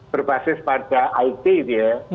berbasis pada it gitu ya